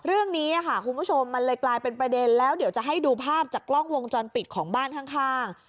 เรื่องนี้ค่ะคุณผู้ชมมันเลยกลายเป็นประเด็นแล้วเดี๋ยวจะให้ดูภาพจากกล้องวงจรปิดของบ้านข้าง